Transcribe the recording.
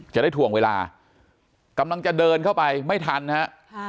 ถ่วงเวลากำลังจะเดินเข้าไปไม่ทันฮะ